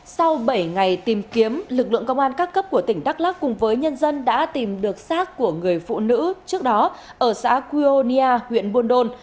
sau bảy ngày tìm kiếm lực lượng công an các cấp của tỉnh đắk lắc cùng với nhân dân đã tìm được sát của người phụ nữ trước đó ở xã cuionia huyện buôn đôn